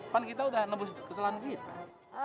kan kita udah nebus kesalahan kita